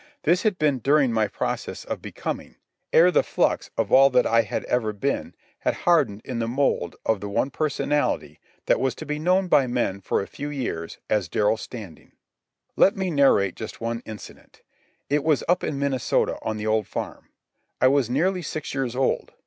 This had been during my process of becoming, ere the flux of all that I had ever been had hardened in the mould of the one personality that was to be known by men for a few years as Darrell Standing. Let me narrate just one incident. It was up in Minnesota on the old farm. I was nearly six years old.